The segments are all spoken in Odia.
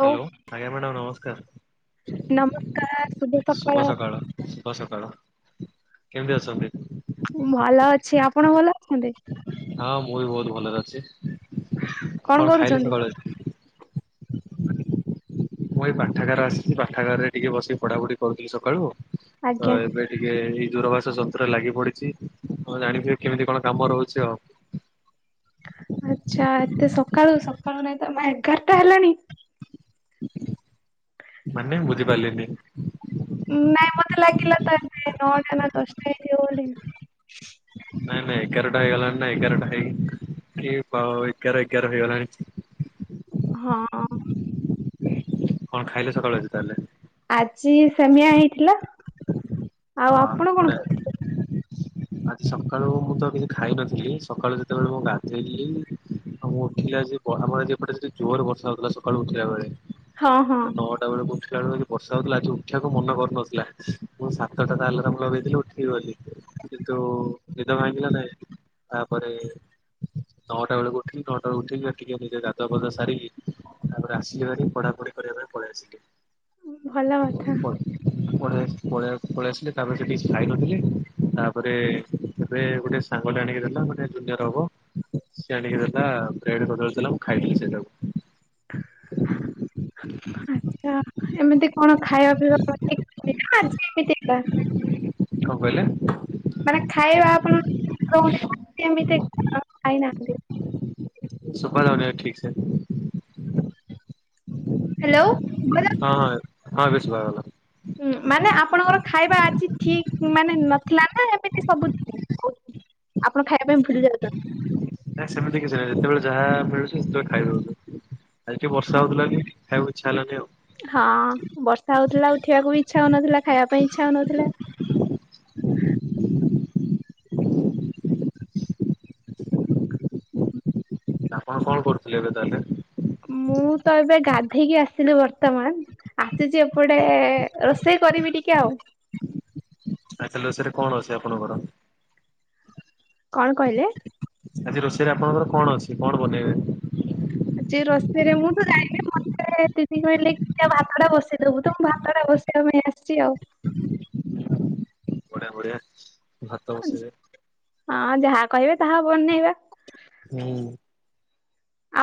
ହଉ ହ୍ୟାଲୋ ଆଜ୍ଞା ମ୍ୟାଡ଼ାମ ନମସ୍କାର ନମସ୍କାର ଶୁଭ ସୁଭ ସକାଳ ଶୁଭ ସକାଳ କେମିତି ଅଛନ୍ତି? ଭଲ ଅଛି ଆପଣ ଭଲ ଅଛନ୍ତି। ହଁ ମୁଁ ବି ବହୁତ ଭଲରେ ଅଛି କଣ କଣ ଖାଇଲି କରୁଛନ୍ତି? ସକାଳୁ ଆଜି? ମୁଁ ଏଇ ପାଠାଗାର ଆସିଛି ପାଠାଗାରରେ ଟିକେ ବସିକି ପଢ଼ାପଢି କରୁଥିଲି ସକାଳୁ ତ ଆଜ୍ଞା ଏବେ ଟିକେ ଏଇ ଦୂରାବାସ ଯନ୍ତ୍ରରେ ଲାଗି ପଡିଛି ହଁ ଜାଣିଥିବେ କେମିତି କଣ କାମ ରହୁଛି ଆଉ ଆଚ୍ଛା ଏତେ ସକାଳୁ ସକାଳୁ ନାଇଁ ତ ଏଗାରଟା ହେଲାଣି ମାନେ ମୁୁ ବୁଝି ପାରିଲିିନି। ନାଇଁ ମତେ ଲାଗିଲା ତ ଏ ନଅଟା ନା ଦଶଟା ହେଇଥିବ ବୋଲି। ନା ଏଗାରଟା ହେଇଗଲାଣି ନା ଏଗାରଟା ହେଇ କି ଏଗାର ଏଗାର ହେଇଗଲାଣି ହଁ କଣ ଖାଇଲେ ସକାଳୁ ଆଜି ତାହା ହେଲେ। ଆଜି ସେମିଆ ହେଇଥିଲା। ଆଉ ୱା ଆପଣ କଣ ବଢିଆ। ଖାଇଥିଲେ? ଆଜି ସକାଳୁ ମୁଁ ତ କିଛି ଖାଇନଥିଲି ସକାଳୁ ଯେତେବେଳେ ମୁଁ ଗାଧେଇଲିି। ଆଉ ମୁଁ ଉଠିଲା ସିକି ଆମର ଆଜି ଏପଟେ ଜୋର୍ ରେ ବର୍ଷା ହଉଥିଲା ସକାଳୁ ଉଠିଲା ବେଳେ। ହଁ ହଁ ନଅଟା ବେଳକୁ ଉଠିଲା ବେଳକୁ ଆ ଯଉ ବର୍ଷା ହଉଥିଲା ଆଜି ଉଠିବାକୁ ମନ କରୁନଥିଲା ମୁଁ ତଟା କୁ ଆଲାରାମ ଲଗେଇଥିଲି ଉଠିବି ବୋଲି କିନ୍ତୁ ନିଦ ଭାଙ୍ଗିଲା ନାଇଁ। ତାପରେ ନଅଟା ବେଳକୁ ଉଠିକି ନଅଟା ବେଳେ ଉଠିକି ଟିକେ ନିଜେ ଗାଧୁଆ ପାଧୂଆ ସାରିକି ତାପରେ ଆସିଲି ହାରି ପଢାପଢି କରିବା ପାଇଁ ପଳେଇ ଆସିଲି। ଭଲ କଥା। ପଳେଇ ପଳେଇ ଆସିଲି ତାପରେ ସେଠି କିଛି ଖାଇ ନଥିଲି ତାପରେ ଏବେ ଗୋଟେ ସାଙ୍ଗ ଟା ଆଣିକି ଦେଲା ମାନେ ଗୋଟେ ଜୁନିୟର ହବ। ସେ ଆଣିକି ଦେଲା ବ୍ରେଡ୍ କଦଳୀ ଦେଲା ମୁଁ ଖାଇଥିଲି ସେଟାକୁ। ଆଛା ଏମିତି କଣ ଖାଇବା ପିଇବା [unintelligible] କଠ [unintelligible] ନା ଆଜି ଏମିତିକା କଣ କହିଲେ? ମାନେ ଖାଇବା ଆପଣ ଠିକ୍ ରହୁନି ନା ଏମିତି ଖାଇନାହାନ୍ତି। ଶୁଭା ଯାଉନି ଠିକ ସେ। ହ୍ୟାଲୋ। ହଁ ହଁ ହଁ ଏବେ ଶୁଭା ଗଲା। ହୁଁ ମାନେ ଆପଣଙ୍କର ଖାଇବା ଆଜି ଠିକ ମାନେ ନଥିଲା ନା ଏମିତି ସବୁଦିନ? ଆପଣ ଖାଇବା ପାଇଁ ଭୁଲି ଯାଉଛନ୍ତି। ନା ସେମିତି କିଛି ନାହିଁ ଯେତେବେଳେ ଯାହା ମିଳୁଛି ସେତେବେଳେ ଖାଇଦଉଛୁ। ଆଜି ଟିକେ ହଁ ବର୍ଷା ହଉଥିଲା ବୋଲି ଖାଇବାକୁ ଇଚ୍ଛା ହେଲାନି ଆଉ। ହଁ ବର୍ଷା ହଉଥିଲା ଉଠିବାକୁ ବି ଇଚ୍ଛା ହଉନଥିଲା ଖାଇବା ପାଇଁ ଇଚ୍ଛା ହଉନଥିଲା। ଆପଣ କଣ କରୁଥିଲେ ଏବେ ତାହେଲେ? ମୁଁ ତ ଏବେ ଗାଧେଇକି ଆସିଲି ବର୍ତ୍ତମାନ। ଆସିଛି ଏପଟେ ରୋଷେଇ କରିବି ଟିକେ ଆଉ। ଆଜି ତାହେଲେ ରୋଷେଇରେ କଣ ଅଛି ଆପଣଙ୍କର? କଣ କହିଲେ? ଆଜି ରୋଷେଇରେ ଆପଣଙ୍କର କଣ ଅଛି, କଣ ବନେଇବେ? ଆଜି ରୋଷେଇରେ ମୁଁ ତ ଜଣିନେଇ ମତ୍ ମତେ ଦିଦି କହିଲେ କି ଯା ଭାତ ଟା ବସେଇଦବୁ ତ ମୁ ଭାତ ଟା ବସେଇବା ପାଇଁ ଆସିଛି ଆଉ। ବଢିଆ ବଢିଆ ଭାତ ବସେଇେବେ। ହଁ ଯାହା କହିବେ ତାହା ବନେଇବା। ହୁଁ।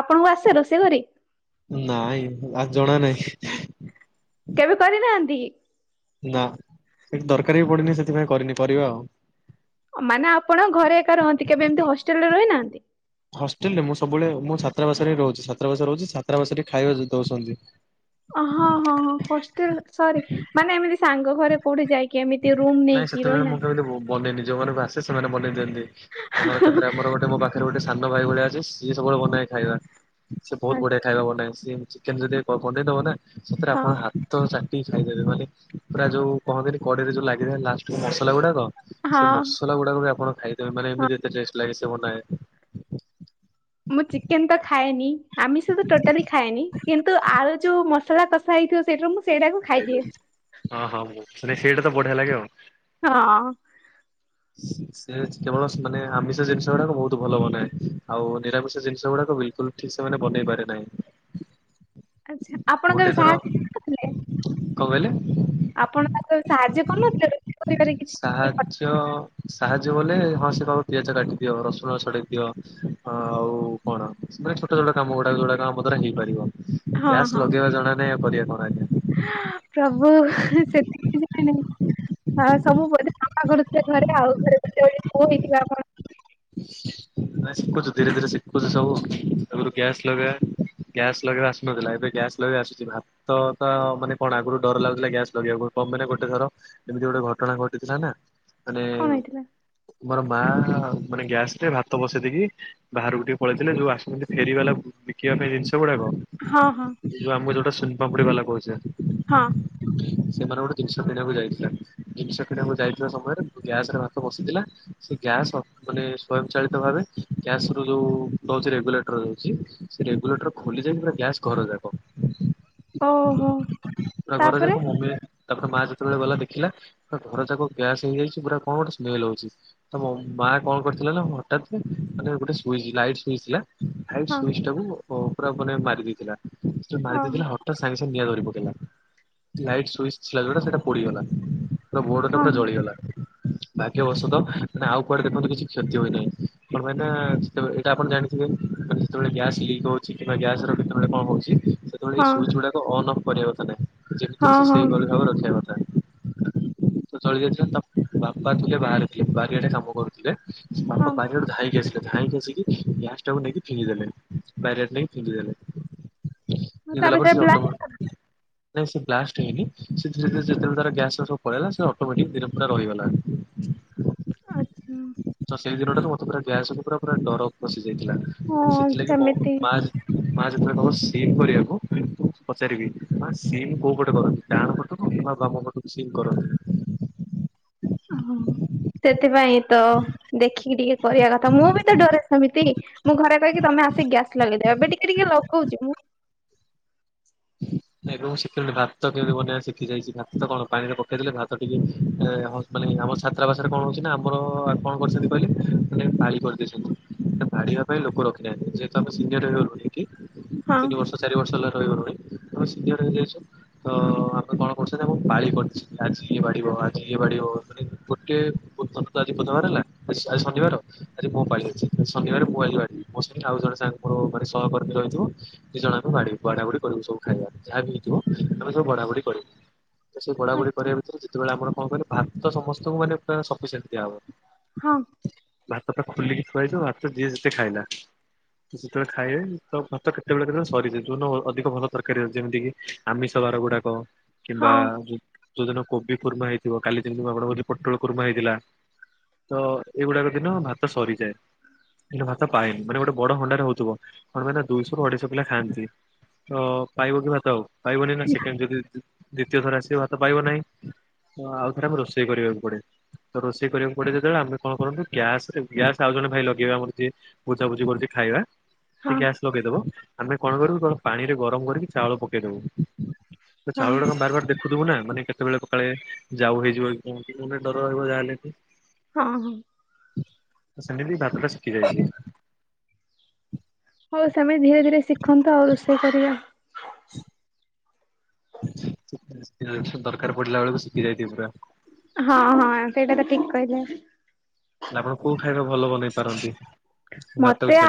ଆପଣଙ୍କୁ ଆସେ ରୋଷେଇ କରି? ନାଇଁ ଆ ଜଣା ନାହିଁ। କେବେ କରିନାହାନ୍ତି କି? ନା ସେଠି ଦରକାର ବି ପଡେନି ସେଥିପାଇଁ କରିନି ପରିବା ଆଉ। ମାନେ ଆପଣ ଘରେ ଏକା ରହନ୍ତି କେବେ ଏମିତି ହଷ୍ଟେଲ ରେ ରହିନାହାନ୍ତି? ହଷ୍ଟେଲ ରେ ମୁଁ ସବୁବେଳେ ମୁଁ ଛାତ୍ରାବାସରେ ରହୁଛି ଛାତ୍ରାବାସରେ ରହୁଛି ଛାତ୍ରାବାସରେ ହି ଖାଇବା ଦଉଛନ୍ତି। ହଁ ହଁ ହଁ ହଷ୍ଟେଲ ସରି ମାନେ ଏମିତି ସାଙ୍ଗ ଘରେ କଉଠି ଯାଇକି ଏମିତି ରୁମ୍ ନାଇଁ ନେଇକି ସେତେବେଳେ ରହିନା ମୁଁ କେମିତି ବନେଇନି ନିଜ ଘରକୁ ଆସେ ସେମାନେ ବନେଇ ଦିଅନ୍ତି ଆମର ସେଥିରେ ଆମର ଗୋଟେ ମୋ ବାପ ପାଖରେ ଗୋଟେ ସାନ ଭାଇ ଭଳିଆ ଅଛି ସିଏ ସବୁବେଳେ ବନାଏ ଖାଇବା ସେ ବହୁତ ହଁ ବଢିଆ ଖାଇବା ବନାଏ ସିଏ ଚିକେନ ଯଦି ବନେଇଦବ ନା ସେଥିରେ ଆପଣ ହାତ୍ ତ ଚାଟିିକି ଖାଇଦେବେ ମାନେ ପୁରା ଯୋଉ କହନ୍ତିନି କଡେଇରେ ଯୋଉ ଲାଗିଥିବା ଲାଷ୍ଟ କୁ ମସଲା ଗୁଡାକ ହଁ ସେ ମସଲା ଗୁଡାକ ବି ଆପଣ ଖାଇଦେବେ ମାନେ ହଁ ଏମିତି ଏତେ ଚେଷ୍ଟ ଲାଗେ ସେ ବନାଏ। ମୁଁ ଚିକେନ ତ ଖାଏନି ଆମିଷ ତ ଟୋଟାଲି ଖାଏନି କିନ୍ତୁ ଆର ଯୋଉ ମସଲା କଷା ହେଇଥିବ ସେଇଟା ମୁଁ ସେଇଟାକୁ ଖାଇଦିଏ। ହ ହଁ ନାଇ ସେଇଟା ତ ବଢିଆ ଲାଗେ ଆଉ। ହଁ। ହୁଁ ସେ କେବଳ ମାନେ ଆମିଷ ଜିନିଷ ଗୁଡାକ ବହୁତ ଭଲ ବନାଏ ଆଉ ନିରାମିଷ ଜିନିଷ ଗୁଡାକ ବିଲକୁଲ ଠିକସେ ମାନେ ବନେଇ ପାରେ ନାହିଁ। ଆଛା, ଆପଣ କେବେ ସାହାଯ୍ୟ କଥିଲେ। କ କହିଲେ? ଆପଣ ତାଙ୍କୁ ସାହାଯ୍ୟ କରୁ ନଥିଲେ ରୋ ସାହାଜ୍ ଜ୍ୟ ସାହାଯ୍ୟ ବଲେ ହଁ ସେ କହିବ ପିଆଜ କାଟିଦିଅ ରସୁଣ ସଡେଇ ଦିଅ। ଆଉ କଣ ମାନେ ଛୋଟ ଛୋଟ କାମ ଗୁଡା ଯୁଡାକା ଆମ ଦ୍ୱାରା ହେଇପାରିବ। ହଁ ଗ୍ୟାସ୍ ହଁ ଲଗେଇବା ଜଣା ନାଇ ଆଉ କରିବା କଣ ଆଜ୍ଞା। ପ୍ରଭୁ ସେତିକି ଜାଣିନି ଆଉ ସବୁ ବୋଧେ କରୁଥିଲେ ଘରେ ଆଉ ଘରେ ଗେ ପୁଅ ହେଇଥିବା କଣ ନାଇ ଶିଖୁଛୁ ଧୀରେ ଧୀରେ ଶିଖୁଛୁ ସବୁ ତାଗରୁ ଗ୍ୟାସ୍ ଲଗା। ଗ୍ୟାସ୍ ଲଗେଇବା ଆସୁନଥିଲା ଏବେ ଗ୍ୟାସ୍ ଲଗେଇବା ଆସୁଛି ଭାତ। ତ ତା ମାନେ କଣ ଆଗରୁ ଡର ଲାଗୁଥିଲା ଗ୍ୟାସ୍ ଲଗେଇବାକୁ କ ମାନେ ଗୋଟେ ଥର ଏମିତି ଗୋଟେ ଘଟଣା ଘଟିଥିଲା ନା ମାନେ କଣ ହେଇଥିଲା? ମୋର ମା ମାନେ ଗ୍ୟାସ ରେ ଭାତ ବସେଇ ଦେଇକି ବାହାରକୁ ଟିକେ ପଳେଇଥିଲେ ଯଉ ଆସୁଛନ୍ତି ଫେରିବାଲା ବିକିବା ପାଇଁ ଜିନିଷ ଗୁଡାକ। ହଁ ହଁ। ଯେ ଆମକୁ ଯୋଟା ସୁନୁପାପୁଡି ବାଲା କହୁଛନ୍ତ। ହଁ [inaudible] ସେମାନେ ଗୋଟେ ଜିନିଷ କିଣିବାକୁ ଯାଇଥିଲା ଜିନିଷ କିଣିବାକୁ ଯାଇଥିବା ସମୟରେ ଗ୍ୟାସ ରେ ଭାତ ବସିଥିଲା ସେ ଗ୍ୟାସ ମାନେ ସ୍ଵୟଂ ଚାଳିତ ଭାବେ ଗ୍ୟାସ ର ଯୋଉ ରହୁଛି ରେଗୁଲେଟର ରଉଚି। ସେ ରେଗୁଲେଟର ଖୋଲିଯା ଇକି ଗ୍ୟାସ୍ ଘର ଯାକ। ଓହୋ ପୁରାଘର ତାପରେ ଯାଖ ମୁଵେ ତାପରେ ମା ଯେତେବେଳେ ଗଲା ଦେଖିଲା ପୁରା ଘର ଯାକ ଗ୍ୟାସ୍ ହେଇଯାଇଛି ପୁରା କଣ ଗୋଟ ସ୍ମେଲ୍ ହଉଛି। ତମ ବା କଣ କରିଥିଲା ନା ହଠାତ୍ କି ମାନେ ଗୋଟେ ସୁଇଜି ଲାଇଟ ସୁଇଜି ଥିଲା ଲାଇଟ୍ ହଁ ସୁଇଜି ଟାକୁ ପୁରା ମାନେ ମାରି ଦେଇଥିଲା ସେ ମାରି ଓହୋ ଦେଇଥିଲା ହଠାତ୍ ସାଙ୍ଗେ ନିଆଁ ଧରି ପକେଇଲା ଲାଇଟି୍ ସୁଇଚି୍ ଥିବା ଯୋଟା ସେଟା ପୋଡିଗଲା। ବୋଡ ଟା ହଁ ପୁରା ଜଳିଗଲା ଭାଗ୍ୟବଶତ ମାନେ ଆଉ କୁଆଡେ ଦେଖନ୍ତୁ କିଛି କ୍ଷତି ହୋଇନାହିଁ କଣ ପାଇଁ ଯେତେବେଳେ ଏଇଟା ଆପଣ ଜାଣିଥିବେ ମାନେ ଯେତେବେଳେ ଗ୍ୟାସ୍ ଲିକ୍ ହଵ କିମ୍ବା ଗ୍ୟାସ ର କେତେବେଳେ କଣ ହଉଚି ସେତେବେଳେ ଏଇ ହଁ ସୁଇଜି ଗୁଡାକ ଅନ୍ ଅଫ୍ କରିବା କଥା ନାହଁ। ଯେକିତି ହଁ ଅଛି ହଁ ସେଇ ଭଳି ଭାବରେ ରଖିବା କଥା। ଜଳି ଯାଇଥିଲା ବାପା ଥିଲେ ବାହାରେ ଥିଲେ ବାରିଆଡେ କାମ କରୁଥିଲେ। ବାପା ହଁ। ବାରିଆଡୁ ଧାଇକି ଆସିଲେ ଧାଇଁକି ଆସିକି ଗ୍ୟାସ ଟାକୁ ନେଇକି ଫିଙ୍ଗିଦେଲେ ବାରିଆଡେ ନେଇକି ଫିଙ୍ଗିଦେଲେ। ଫିଙ୍ଗିଦେଲା ତାପରେ ସେ ପରେ ବ୍ଲାକ୍ ଅଟମେଟିକି୍ ନାଇଁ ସେ ବ୍ଲାଷ୍ଟ ହେଇନି ସେ ଧୀରେ ଧୀରେ ଯେତେବେଳେ ତାର ଗ୍ୟାସ ସବୁ ପଳେଇଲା ସେ ଅଟୋମେଟିକ୍ ଧିରେ ପୁରା ରହିଗଲା। ଆଛା। ତ ସେଇ ଦିନଟାରୁ ମତେ ପୁରା ଗ୍ୟାସକୁ ପୁରା ପୁରା ଡର ପସିି ଯାଇଥିଲା ହଁ ସେଥିଲାଗି ମୋ ସେମିତି ମା ମା ଯେତେବେଳେ କହିବ ସିମ୍ କରିବାକୁ ପଚାରିବି ମା ସିମ୍ କୋଉ ପଟେ କରନ୍ତି। ଡହାଣ ପଟକୁ କିମ୍ବା ବାମ ପଟକୁ ସିମ୍ କରନ୍ତି। ହଁ। ସେଥିପାଇଁ ତ ଦେଖିକି ଟିକେ କରିବା କଥା ମୁଁ ବି ତ ଡରେ ସେମିତି। ମୁଁ ଘରେ କହିକି ତମେ ଆସି ଗ୍ୟାସ ଲଗେଇଦିଆ ଏବେ ଟିକେ ଟିକେ ଲଗଉଛି ମୁଁ। [inaudible] ଏବେ ମୁଁ ଶିଖିଲି ଣି ଭାତ କେମିତି ବନେଇବା ଶିଖି ଯାଇଛି ଭାତ କଣ ପାଣିରେ ପକେଇ ଦେେଲେ ଭାତ ଟିକେହଁ। ମାନେ ଆମର ଛାତ୍ରା ବାଷରେ କଣ ହଉଛି ନା ଆମର କଣ କରିଛନ୍ତି କହିଲେ ମାନେ ପାଳି କରିଦେଇଛନ୍ତି। ବାଢିବାପାଇଁ ଲୋକ ରଖିନାହାନ୍ତି ଯେହେତୁ ଆମେ ସିନିର ହେଇଗଲୁଣି। ହଁ ତିନି ବର୍ଷ ଚାରି ବର୍ଷ ହେଲା ରହିଗଲୁଣି ଆମେ ସିନିଅର ହେଇଯାଇଛୁ। ତ ଆମେ କଣ କରିଛୁନା ମୁଁ ପାଳି କରିଚୁ ଆଜି ଇଏ ବାଢିବ,, ଆଜି ଇଏ ବାଢିବ ଗୋଟିଏ। ବୁ ତ ଆଜି ବୁଧବାର ହେଲା ଆଜି ଶନିବାର ଆଜି ମୋ ପାଳି ହେଇଚି ଶନିବାର ମୁଁ ଆଜିବାଢିମି। ବସିଲି ଆଉ ଜଣେ ସାଙ୍ଗ ମାନେ ସହକର୍ମୀ ଜଣେ ଥିବ ଦିଜଣଜାକ ବାଢିମୁ ବଢା ବଢି କରି ମୁ ସବୁ। ଖାଇବା ଯାହାବି ହେଇଥିବ ଆମେସବୁ ବଢାବଢି କରିମୁ ତ ସେଇ ବଢାବଢି ଆଚ୍ଛା କରିବା ସେତେବେଳେ ଆପଣ କଣ କହିଲେ ଭାତ ସମସ୍ତଙ୍କୁ ମାନେ ପୁରା ସଫିସେଣ୍ଟ୍ ଦିଆହବ। ହଁ। ଭାତ ଟା ଖୋଲିକି ଥୁଆହେଇଥିବ ଭାତ ଯିଏ ଯେତେ ଖାଇଲା। ସେତେବେଳେ ଖାଇବେ ତ ଭାତ କେତେବେଳେ କେତେବେଳେ ସରିଯାଏ ଅଧିକ ଭଲ। ତରକାରୀ ହୋଉଛି ଯେମିତିକି ଆମିଷବାର ଗୁଡାକ କିମ୍ବା ହଁ ଯୋଉଦିନ କୋବିକୁର୍ମା ହେଇଥିବ କାଲି ଯେମିତି [unintelligible] ପୋଟଳ କୁର୍ମା ହେଇଥିଲା। ତ ଏଇଗୁଡାକ ଦିନ ଭାତ ସରିଯାଏ। ଭାତ ପାଏନି ମାନେ ଗୋଟେ ବଡ ହଣ୍ଡାରେ ହଉଥିବ କଣ ପାଇଁ ନା ଦୁଇଶହରୁ ଅଢେଇଶହ ପିଲା ଖାଆନ୍ତି। ତ ପାଇବକି ଭାତ ଆଉ ପାଇବନି ନା ସେକେଣ୍ଡ ଯଦି। ଦ୍ୱିତୀୟଥର ଆସିବ ଭାତ ପାଇବ ନାହିଁ ତ ଆଉ ଥରେ ଆମକୁ ରୋଷେଇ କରିବାକୁ ପଡେ। ତ ରୋଷେଇ କରିବାକୁ ପଡେ ଯେତେବେଳେ ଆମେ କଣ କରୁ ନା ଗ୍ୟାସରେ ଗ୍ୟାସ ଆଉ ଜଣେ ଭାଇ ଲଗେଇବେ ଆମର ଯିଏ ବୁଝାବୁଝି କରୁଚି ଖାଇବା। ସେ ହଁ ଗ୍ୟାସ୍ ଲଗେଇଦବ ଆମେ କଣ କରୁ ନା ପାଣିରେ ଗରମ କରିକି ଚାଉଳ ପକେଇଦବୁ। ତ ହଁ ଚାଉଳ କଣ ବାରବାର ଦେ ଦେଖୁଥିବୁ ନା ମାନେ କେତେବେଳେ କେତେବେଳେ ଯାଉ ହେଇଯିବ କି କଣ ଡର ରହିବ ଯାହା ହେଲେବି। ହଁ ହଁ ସେମିତି ଭାତଟା ଶିଖି ଯାଇଛି। ହଉ ସେମିତି ଧୀରେଧୀରେ ଶିଖନ୍ତୁ ଆଉ ରୋଷେଇ କରିବା। [inaudible] ଦରକାର ପଡିଲା ବେଳକୁ ଶିଖିଯାଇଥିବୀ ପୁରା। ହଁ ହଁ ସେଇଟା ତ ଠିକ କହିଲେ। ଆପଣ କୋଉ ଖାଇବା ଭଲ ବନେଇପାରନ୍ତି। ମତେ ଆ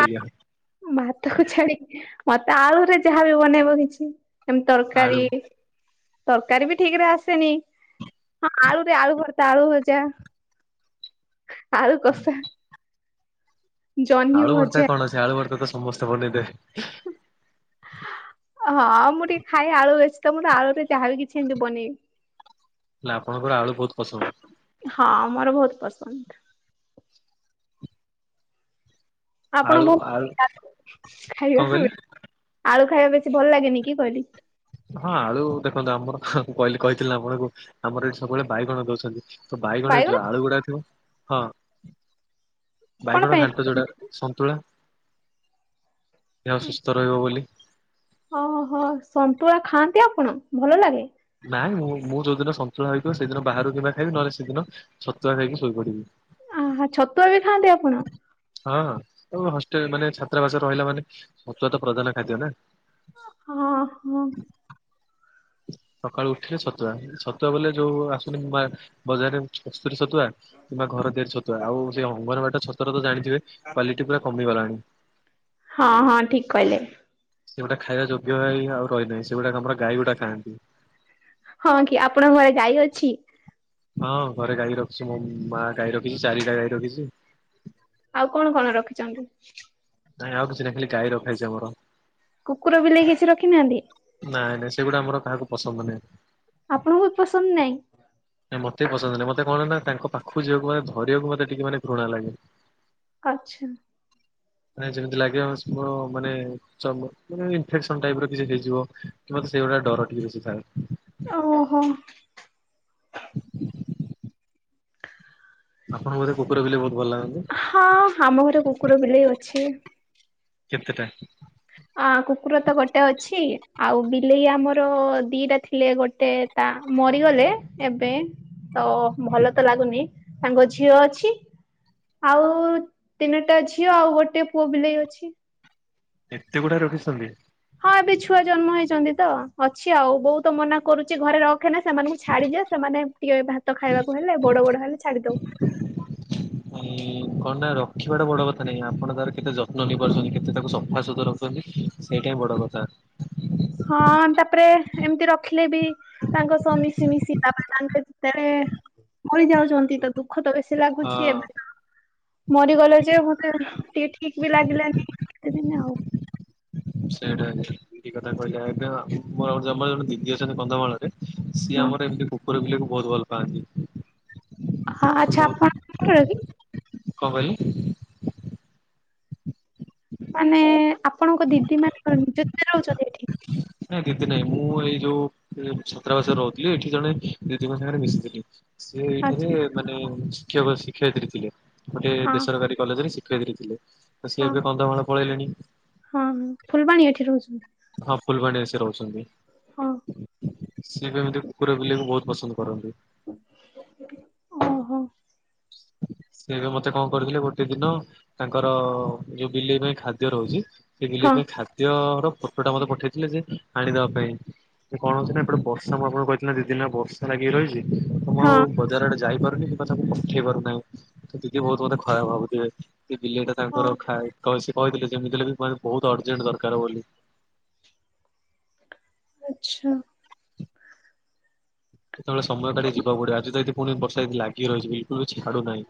ଭାତକୁ ଛାଡି ମତେ ଆଳୁରେ ଯାହାବି ବନେଇବ କିଛି। ଏମତି ତରକାରୀ ଆଳୁ ତରକାରୀ ବି ଠିକରେ ଆସେନି। ହଁ ଆଳୁରେ ଆଳୁଭର୍ତା, ଆଳୁଭଜା, ଆଳୁକଷା। ଆଳୁଭର୍ତାରେ ଭଜା କଣଅଛି, ଆଳୁଭର୍ତା ତ ସମସ୍ତେ ବନେଇବେ। ହଁ ମୁଁ ଟିକେ ଖାଏ ଆଳୁ ବେଶୀତ ମୁଁ ଆଳୁରେ ଯହାବି କିଛି ଏମିତିି ବନି ହେଲା ଆପଣଙ୍କର ଆଳୁ ବହୁତ ପସନ୍ଦ। ହଁ ମୋର ବହୁତପସନ୍ଦ। ଆପଣ ଆଳୁ ବହୁ ଆଳୁ [inaudible] କଣ ଖାଇବା କହିଲେ [inaudible] ଆଳୁ ଖାଇବା ବେଶୀ ଭଲଲାଗେନି କି କହିଲି। ହଁ ଆଳୁ ଦେଖନ୍ତୁ ଆମର କହିଲି କହିଥିଲିନା ଆପଣଙ୍କୁ ଆମର ଏଠି ସବୁବେଳେ ବାଇଗଣ ଦଉଛନ୍ତି। ତ ବାଇଗଣ ରେ ଯୋଉ ଆଳୁଗୁଡା ଥିବ ହଁ, କଣ ପାଇଁ ବାଇଗଣଘାଣ୍ଟ ଯୋଉଟା। ସନ୍ତୁଳା, ଦେହସୁସ୍ଥ ରହିବବୋଲି। ଓହୋ ସନ୍ତୁଳା ଖାଆନ୍ତି ଆପଣ ଭଲଲାଗେ। ନାଇଁ ମୁଁ ମୁଁ ଯୋଉଦିନ ସନ୍ତୁଳା ହେଇଥିବ ସେଦିନ ବାହାରୁ କିମ୍ବା ଖାଇବି ନହଲେ ସେଦିନ ଛତୁଆ ଖାଇକି ଶୋଇପଡିବି। ଆହା ଛତୁଆ ବି ଖାଆନ୍ତି ଆପ ହଁହଁ ହଷ୍ଟେଲ ମାନେ ଛାତ୍ରାବାସରେ ରହିଲାମାନେ ଛତୁଆ ତ ପ୍ରଧାନଖାଦ୍ୟ ନା। ହଁ ହଁ। ସକାଳୁ ଉଠିଲେ ସତୁଆ ଛତୁଆ ବୋଲେ ଯୋଉ ଆସୁନି ମା ବଜାରରେ କସ୍ତୁରୀଛତୁଆ କିମ୍ବା ଘରତିଆରିଛତୁଆ ଆଉ ସେ ଅଙ୍ଗନବାଡିର ଛତୁଆ ତ ଜାଣିଥିବେ। କ୍ୱାଲିଟି ପୁରା କମିଗଲାଣି। ହଁ ହଁ ଠିକ କହିଲେ ସେଗୁଡା ଖାଇବାଯୋଗ୍ୟ ହେଇଆଉ ରହିନି ସେଗୁଡା ଆମର ଗାଈଗୁଡା ଖାଆନ୍ତି। ହଁ କି ଆପଣଙ୍କ ଘରେ ଗାଈ ଅଛି। ହଁ ଘରେ ଗାଈ ରଖିଛି ମୋ ମାଁ ଗାଈ ରଖିଛି ଚାରିଟା ଗାଈ ରଖିଛି। ଆଉ କଣ, କଣ ରଖିଛନ୍ତି। ନାଇଁ ଆଉ କିଛି ନା ଖଲି ଗାଈ ରଖାଯଇଛି ଆମର କୁକୁର ବିଲେଇ କିଛି ରଖିନାହାନ୍ତି? ନାଇଁ ନାଇଁ ସେଗୁଡା ଆମର କାହାକୁ ପସନ୍ଦ ନାହିଁ। ଆପଣ ବହୁତ ପସନ୍ଦ ନାହିଁ ନା ମତେ ପସନ୍ଦ ନାହିଁ ମତେ କଣ ନା ତାଙ୍କ ପାଖକୁ ଯିବାକୁ ମାନ ଧରିବାକୁ ମତେ ଟିକେ ମାନେ ଘୃଣା ଲାଗେ ଆଛା। [unintelligible] ମାନେ ଯେମିତି ଲାଗିବ, ଚମ, ମାନେ ଇଫେକସନ ଟାଇପ ର କିଛି ହେଇଯିବ। ମତେ ସେଇଗୁଡା ଡର ଟିକେ ବେଶୀ ଥାଏ। ଓହୋ। [unintelligible] ଆପଣଙ୍କୁ ବୋଧେ କୁକୁର ବିଲେଇ ବହୁତ ଭଲ ଲାଗନ୍ତି? ହଁ, ଆମ ଘରେ କୁକୁର ବିଲେଇ ଅଛି। କେତେଟା? ଅଁ, କୁକୁର ତ ଗୋଟେ ଅଛି, ଆଉ ବିଲେଇ ଆମର ଦିଟା ଥିଲେ, ଗୋଟେ ତା ମରିଗଲେ ଏବେ, ତ ଭଲ ତ ଲାଗୁନି, ତାଙ୍କ ଝିଅ ଅଛି। ଆଉ, ତିନିଟା ଝିଅ ଆଉ ଗୋଟେ ପୁଅ ବିଲେଇ ଅଛି। ଏତେ ଗୁଡା ରଖିଚନ୍ତି? ହଁ, ଏବେ ଛୁଆ ଜନ୍ମ ହେଇଛନ୍ତି ତ, ଅଛି ଆଉ, ବୋଉ ତ ମନା କରୁଚି, ଘରେ ର ଖେନା, ସେମାନଙ୍କୁ ଛାଡିଯା, ସେମାନେ ଟିକେ ଭାତ ଖାଇବାକୁ ହେଲେ, ବଡ ବଡ ହେଲେ ଛାଡି ଦବୁ। ହୁଁ କଣ ନାଁ ରଖିବା ଟା ବଡ କଥା ନାଇଁ, ଆପଣ ତାର କେତେ ଯତ୍ନ ନେଇ ପାରୁଚନ୍ତି, କେତେ ତାକୁ ସଫାସତୁରା ରଖୁଚନ୍ତି? ସେଇଟା ବି ବଡ କଥା। ହଁ, ତାପରେ ଏମିତି ରଖିଲେ ବି ତାଙ୍କ ସହ ମିଶି ମିଶିି, ତାଙ୍କେ ଯେତେବେଳେ ମରି ଯାଉଚନ୍ତି ତ ଦୁଃ ଦୁଃଖ ତ ବେଶୀ ହଁ ଲାଗୁଚି, ଏ ମରିଗଲ ଯେ ମତେ, ଟିକେ ଠିକ ବି ଲାଗିଲାନି, କେତେ ଦିନି ଆଉ। ସେଇଟା କି କଥା କହିଲେ? ମୋ [unintelligible] ଦିଦି ଅଛନ୍ତି ବନ୍ଧମାଳରେ, ସିଏ ହଁ ଆମର ଏମିତି କୁକୁର ବିଲେଇକୁ ବହୁତ ଭଲ ପାଆନ୍ତି। ହଁ, ଆଛା, ବହୁତ ଆପଣ [unintelligible] କି? କଣ କହିଲେ? ମାନେ ଆପଣଙ୍କ ଦିଦି ମାନେ କଣ? ନିଜେ ନିଜେ ରହୁଚନ୍ତି ଏଠି? ନାଇଁ, ଦିଦି ନାଇଁ, ମୁଁ ଏଇ ଯୋଉ ଛାତ୍ରାବାସରେ ରହୁଥିଲି, ଏଠି ଜଣେ ଦିଦି ଙ୍କ ସାଙ୍ଗରେ ମିଶିଥିଲି। ସିଏ ଆଚ୍ଛା ଏଇଠାରେ ମାନେ ଶିକ୍ଷକ ଶିକ୍ଷୟତ୍ରୀ ଥିଲେ, ଗୋଟେ ହଁ ବେସରକାରୀ କଲେଜରେ ଶିଖେଇ ଦେଇଥିଲେ, ତ ସିଏ ହଁ ଏବେ କନ୍ଧମାଳ ପଳେଇଲେଣି। ହଁ ହଁ, ଫୁଲବାଣୀ ଏଠି ରହୁଚନ୍। ହଁ, ଫୁଲବାଣୀରେ ସେ ରହୁଚନ୍ତି। ହଁ। ସିଏବି ଏମିତି କୁକୁର ବିଲେଇକୁ ବହୁତ ପସନ୍ଦ କରନ୍ତି। ଓହୋ। ସେବେ ମତେ କଣ କରଥିଲେ ଗୋଟେ ଦିନ- ତାଙ୍କର, ଯୋଉ ବିଲେଇ ପାଇଁ ଖାଦ୍ୟ ରହୁଚି, ସେ ବିଲେଇ ହଁ ପାଇଁ ଖାଦ ଆଦିତ୍ୟ ର ଫୋଟୋ ଟା ମତେ ପଠେଇଥିଲେ ଯେ, ଆଣିଦବା ପାଇଁ। ସେ କଣ ହଉଚି ନା, ଏପଟେ ବର୍ଷା ମୁଁ ଆପଣଙ୍କୁ କହିଥିଲି ନା, ଦି ଦିନି ହେଲା ବର୍ଷା ଲାଗିକି ରହିଚି ତ ମୁଁ ହଁ। ଆଉ ବଜାର ଆଡେ ଯାଇପାରୁନି କିମ୍ବା ତାକୁ ପଠେଇ ପାରୁନି। ନାଇଁ, ତ ଦିଦି ବହୁତ ମତେ ଖରାପ ଭାବୁଥିବେ? ବିଲେଇଟା ହଁ ତାଙ୍କର ଖାଏ, ସେ କହିଥିଲେ ଯେମିତି ହେଲେ ବି ମାନେ ବହୁତ ଅର୍ଜେଣ୍ଟ ଦରକାର ବୋଲି। ଆଛା। କେତେତେଳେ ସମୟ କାଢ଼ିକି ଯିବାକୁ ପଡିବ, ଆଜି ତ ଏଇତି ପୁଣି ବର୍ଷା ଲାଗିକି ରହିଚି, ବିଲକୁଲ ଛାଡୁନାହିଁ।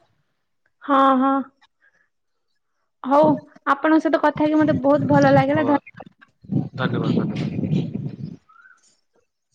ହଁ ହଁ। ହଉ ଆପଣଙ୍କ ସହିତ କଥା ହେଇକି ମତେ ବହୁତ ଭଲ ହଉ ଲାଗିଲା ଧ ଧନ୍ୟବାଦ ଧନ୍ୟବାଦ।